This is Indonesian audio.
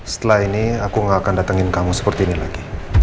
setelah ini aku gak akan datengin kamu seperti ini lagi